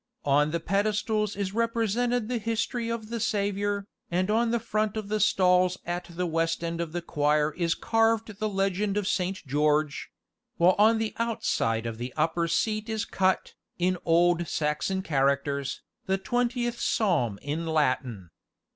On the pedestals is represented the history of the Saviour, and on the front of the stalls at the west end of the choir is carved the legend of Saint George; while on the outside of the upper seat is cut, in old Saxon characters, the twentieth Psalm in Latin.